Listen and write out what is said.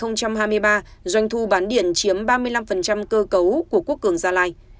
năm hai nghìn hai mươi ba doanh thu bán điện chiếm ba mươi năm cơ cấu của quốc cường gia lai